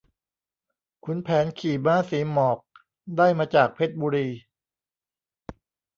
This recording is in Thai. ขุนแผนขี่ม้าสีหมอก ได้มาจากเพชรบุรี